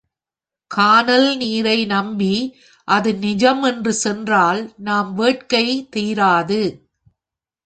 கானல்நீரை நம்பி, அது நிஜம் என்று சென்றால் நம் வேட்கை தீராது.